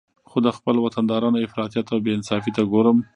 خو د خپل وطندارانو افراطیت او بې انصافي ته ګورم